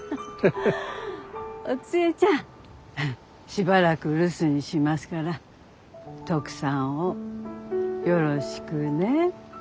しばらく留守にしますからトクさんをよろしくね。